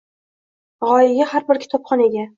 G‘oyaga har bir kitobxon ega.